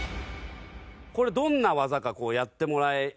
これどんな技かやってもらえますか？